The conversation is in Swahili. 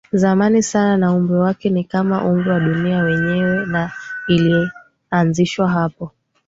zamani sana na Umri wake ni kama umri wa dunia yenyewe na ilianzishwa hapo